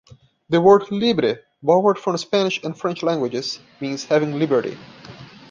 The word "libre", borrowed from the Spanish and French languages, means having liberty.